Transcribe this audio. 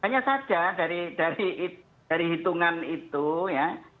hanya saja dari hitungan itu ya